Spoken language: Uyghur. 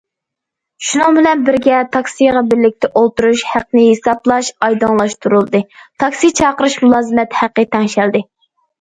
شۇنىڭ بىلەن بىرگە، تاكسىغا بىرلىكتە ئولتۇرۇش ھەققىنى ھېسابلاش ئايدىڭلاشتۇرۇلدى، تاكسى چاقىرىش مۇلازىمەت ھەققى تەڭشەلدى.